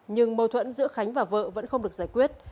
nhưng mâu thuẫn giữa khánh và vợ vẫn không được giải quyết